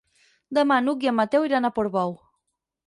Demà n'Hug i en Mateu iran a Portbou.